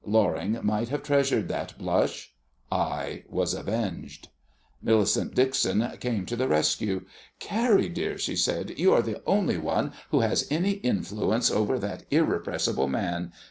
Loring might have treasured that blush. I was avenged. Millicent Dixon came to the rescue. "Carrie, dear," she said, "you are the only one who has any influence over that irrepressible man.